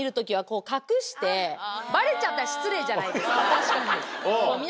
確かに。